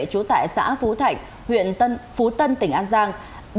trú tại xã phú thạnh huyện tân phú tân tỉnh an giang